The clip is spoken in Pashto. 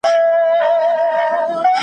خامکي غاړه نه لرم نوې خولۍ نه لرم .